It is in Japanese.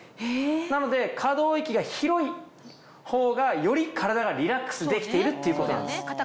なので可動域が広いほうがより体がリラックスできているっていうことなんです。